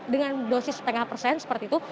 dengan dosis setengah persen seperti itu